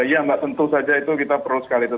ya nggak tentu saja itu kita perlu sekali itu